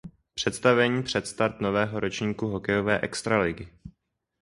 Představení před start nového ročníku hokejové extraligy.